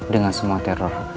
dengan semua teror